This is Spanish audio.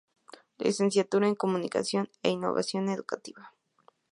Licenciatura en Comunicación e Innovación Educativa.